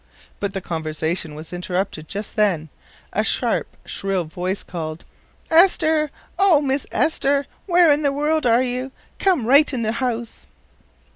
But the conversation was interrupted just then. A sharp, shrill voice called: "Esther! O, Miss Esther! Where in the world are you? Come right in the house."